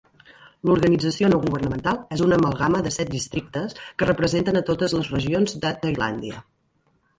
L'organització no governamental és una amalgama de set districtes que representen a totes les regions de Tailàndia.